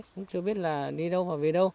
cũng chưa biết là đi đâu hoặc về đâu